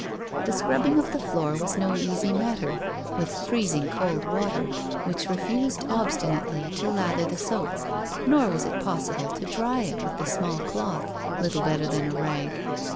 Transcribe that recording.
The scrubbing of the floor was no easy matter with freezing cold water which refused obstinately to lathee the soap, nor viras it possible to dry it with the small cloth, little better than a rag.